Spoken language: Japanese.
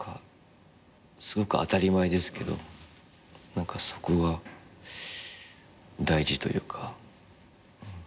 すごく当たり前ですけどそこが大事というか。